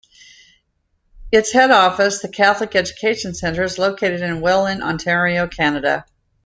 Its head office, the Catholic Education Centre, is located in Welland, Ontario, Canada.